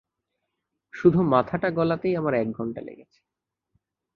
শুধু মাথাটা গলাতেই আমার এক ঘণ্টা লেগেছে।